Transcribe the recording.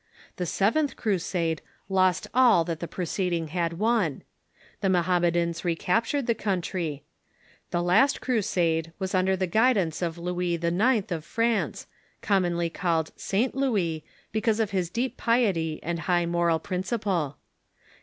The seventh Crusade lost all that the preceding had won. The Mohammedans recaptured the country. The last Crusade was under the guidance of Louis IX. of France, commonly called St. Louis, because of his deep piety and high moral principle.